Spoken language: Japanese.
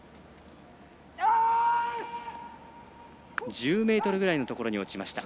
１０ｍぐらいのところに落ちました。